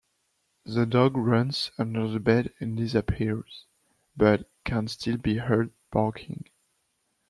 The dog runs under the bed and disappears, but can still be heard barking.